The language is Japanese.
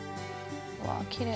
わきれい。